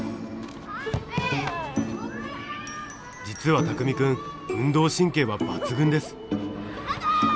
実は拓美くん運動神経は抜群です。